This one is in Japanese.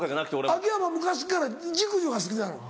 秋山昔っから熟女が好きなの。